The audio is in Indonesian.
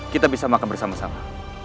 kita bisa makan bersama sama